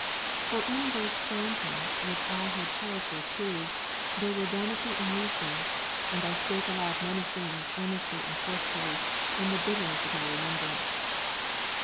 For in those phan toms which I had held for truths, was there vanity and leasing ; and I spake aloud many things earnestly and forcibly, in the bitterness of my remembrance.